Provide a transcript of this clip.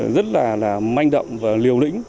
rất là manh động và liều lĩnh